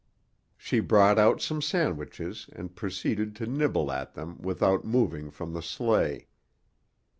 She brought out some sandwiches and proceeded to nibble at them without moving from the sleigh.